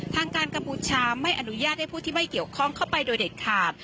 ทางการกัมพูชาไม่อนุญาตให้ผู้ที่ไม่เกี่ยวข้องเข้าไปโดยเด็ดขาด